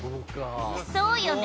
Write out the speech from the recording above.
「そうよね！」